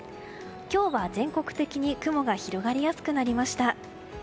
今日は全国的に雲が広がりやすくなりました。